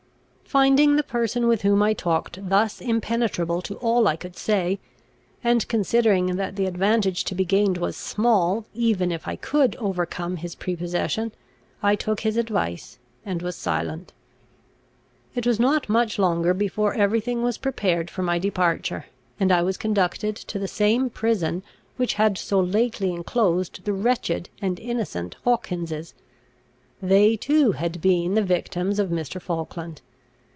Finding the person with whom I talked thus impenetrable to all I could say, and considering that the advantage to be gained was small, even if I could overcome his prepossession, I took his advice, and was silent. It was not much longer before every thing was prepared for my departure, and I was conducted to the same prison which had so lately enclosed the wretched and innocent Hawkinses. They too had been the victims of Mr. Falkland.